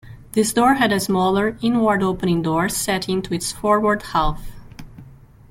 This door had a smaller, inward-opening door set into its forward half.